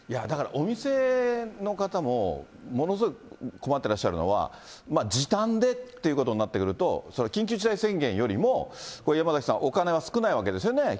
だからお店の方も、ものすごい困ってらっしゃるのは、時短でっていうことになってくると、緊急事態宣言よりも山崎さん、お金は少ないわけですよね。